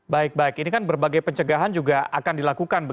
baik baik ini kan berbagai pencegahan juga akan dilakukan